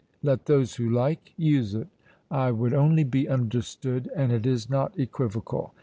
Let those who like, use it; I would only be understood, and it is not equivocal."